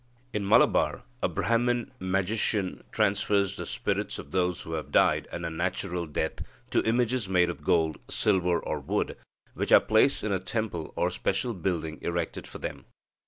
In Malabar, a Brahman magician transfers the spirits of those who have died an unnatural death to images made of gold, silver, or wood, which are placed in a temple or special building erected for them.